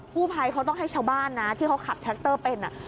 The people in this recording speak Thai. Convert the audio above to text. ผู้ภัยเขาต้องให้ชาวบ้านนะที่เขาขับแท็กเตอร์เป็น